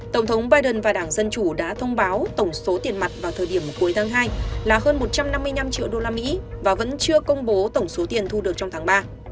tổng thống biden và đảng dân chủ đã thông báo tổng số tiền mặt vào thời điểm cuối tháng hai là hơn một trăm năm mươi năm triệu usd và vẫn chưa công bố tổng số tiền thu được trong tháng ba